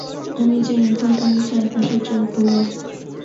আমি চাই এখন তুমি চারপাশে চোখ বোলাও।